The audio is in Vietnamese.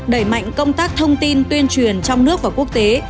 đẩy mạnh công tác thông tin tuyên truyền trong nước và quốc tế